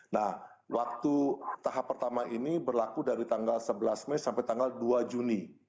nah waktu tahap pertama ini berlaku dari tanggal sebelas mei sampai tanggal dua juni